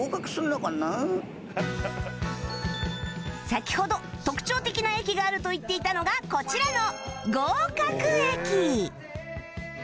先ほど特徴的な駅があると言っていたのがこちらの合格駅